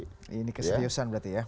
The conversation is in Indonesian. ini kesediusan berarti ya